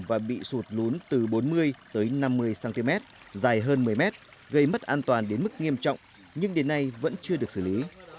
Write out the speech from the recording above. và bị sụt lún từ bốn mươi tới năm mươi cm dài hơn một mươi mét gây mất an toàn đến mức nghiêm trọng nhưng đến nay vẫn chưa được xử lý